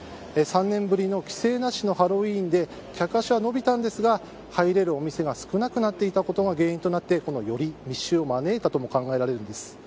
３年ぶりの規制なしのハロウィーンで客足は伸びましたが入れるお店が少なくなっていたことが原因となってより密集を招いたとも考えられます。